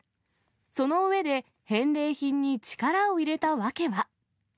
その上で、返礼品に力を入れた訳は。